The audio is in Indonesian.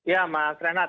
ya mas renat